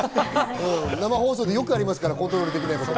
生放送でよくありますから、コントロールできないこと。